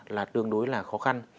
là tương đối khó khăn